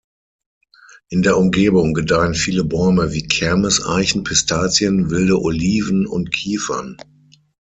In der Umgebung gedeihen viele Bäume wie Kermes-Eichen, Pistazien, Wilde Oliven und Kiefern.